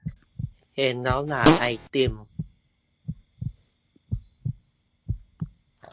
เห็นแล้วอยากไอติม